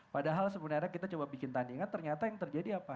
padahal sebenarnya kita coba bikin tandingan ternyata yang terjadi apa